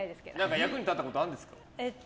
役に立ったことあるんですか？